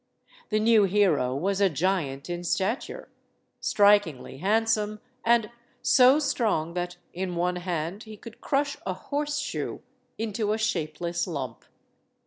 The new hero was a giant in stature, strikingly hand some, and so strong that in one hand he could crush a horseshoe into a shapeless lump.